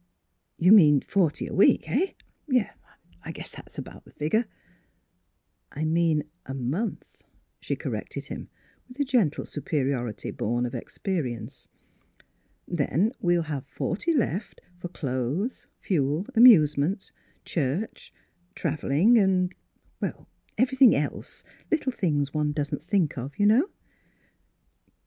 "You mean forty a week — eh? Yes. I guess that's about the figure." " I mean a month," she corrected him with the gentle superiority born of expe rience. " Then we'll have forty left for clothes, fuel, amusements, church, travel ling and — and everything else, little things one doesn't think of, you know."